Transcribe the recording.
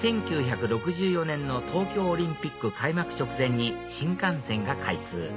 １９６４年の東京オリンピック開幕直前に新幹線が開通